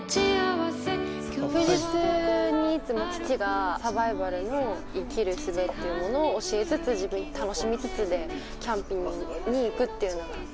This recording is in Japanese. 休日にいつも父がサバイバルの生きるすべっていうものを教えつつ自分楽しみつつでキャンプに行くっていうのが。